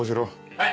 はい。